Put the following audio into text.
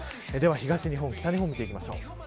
では東日本、北日本見ていきましょう。